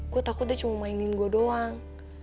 gue takut dia cuma mainin gue doang